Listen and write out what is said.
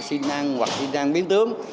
xi năng hoặc xi năng biến tướng